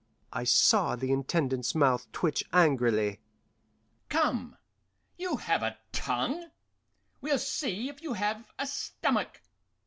I saw the Intendant's mouth twitch angrily. "Come," he said, "you have a tongue; we'll see if you have a stomach.